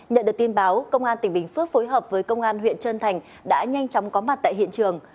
nhận được tin báo công an tỉnh bình phước phối hợp với công an huyện trân thành đã nhanh chóng có mặt tại hiện trường